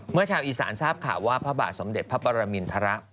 ชาวอีสานทราบข่าวว่าพระบาทสมเด็จพระปรมินทร